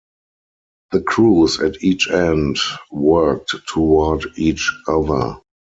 The crews at each end worked toward each other.